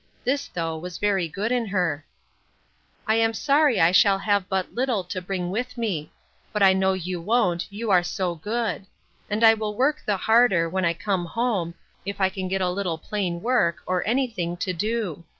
This, though, was very good in her. I am sorry I shall have but little to bring with me; but I know you won't, you are so good!—and I will work the harder, when I come home, if I can get a little plain work, or any thing, to do.